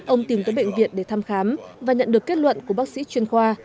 ông tìm tới bệnh viện để thăm khám và nhận được kết luận của bác sĩ chuyên khoa